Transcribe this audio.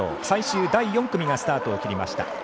最終第４組がスタートを切りました。